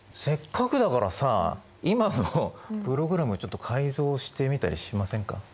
せっかくだからさ今のプログラムちょっと改造してみたりしませんか。